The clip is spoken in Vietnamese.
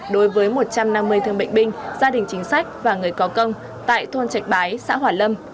đối với một trăm năm mươi thương bệnh binh gia đình chính sách và người có công tại thôn trạch bái xã hòa lâm